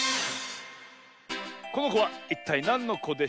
このこはいったいなんのこでしょう？